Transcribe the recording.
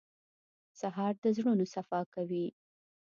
سهار د زړونو صفا کوي.